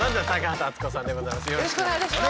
よろしくお願いします。